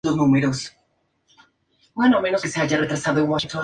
Según Fred Pearce, la Dra.